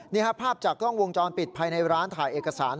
นี่ครับภาพจากกล้องวงจรปิดภายในร้านถ่ายเอกสาร